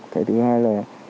cái thứ hai là